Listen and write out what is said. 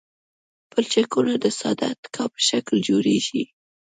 پلچکونه د ساده اتکا په شکل جوړیږي